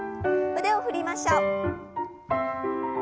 腕を振りましょう。